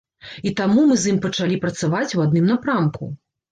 І таму мы з ім пачалі працаваць у адным напрамку.